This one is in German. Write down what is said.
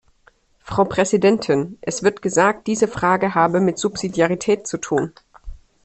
Frau Präsidentin! Es wird gesagt, diese Frage habe mit Subsidiarität zu tun.